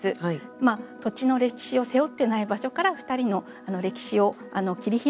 土地の歴史を背負ってない場所から２人の歴史を切り開いていく。